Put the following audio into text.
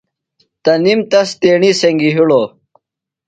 تنِم تس تیݨی سنگیۡ ہِڑوۡ۔